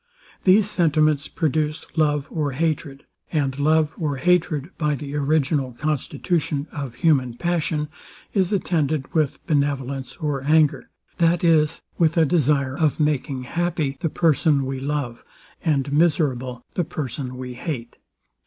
These sentiments produce love or hatred; and love or hatred, by the original constitution of human passion, is attended with benevolence or anger; that is, with a desire of making happy the person we love, and miserable the person we hate.